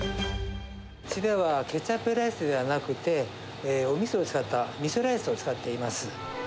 うちではケチャップライスではなくて、おみそを使ったみそライスを使っています。